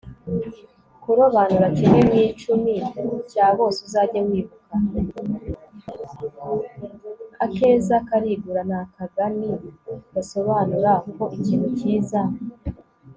akeza karigura ni akagani gasobanura ko ikintu kiza